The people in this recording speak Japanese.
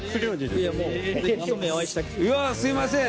うわすいません。